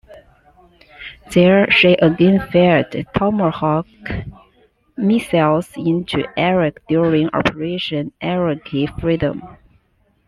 There, she again fired Tomahawk missiles into Iraq during Operation Iraqi Freedom.